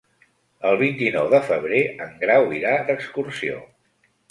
El vint-i-nou de febrer en Grau irà d'excursió.